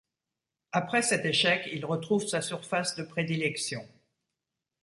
Après cet échec, il retrouve sa surface de prédilection.